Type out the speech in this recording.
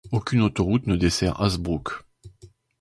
Aucune autoroute ne dessert Hazebrouck.